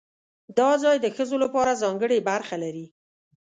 دا ځای د ښځو لپاره ځانګړې برخه لري.